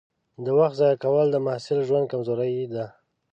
د وخت ضایع کول د محصل ژوند کمزوري ده.